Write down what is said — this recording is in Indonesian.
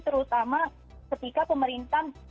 terutama ketika pemerintah